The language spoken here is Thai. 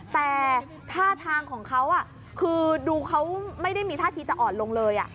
แต่ท่าทางของเขาคือดูเขาไม่ได้มีท่าทีจะอ่อนลงเลย